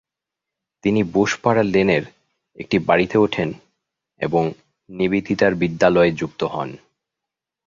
তিনি বোসপাড়া লেনের একটি বাড়িতে ওঠেন এবং নিবেদিতার বিদ্যালয়ে যুক্ত হন।